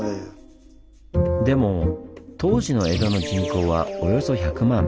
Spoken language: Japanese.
でも当時の江戸の人口はおよそ１００万。